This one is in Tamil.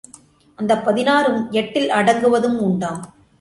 அந்தப் பதினாறும் எட்டில் அடங்குவதும் உண்டாம்.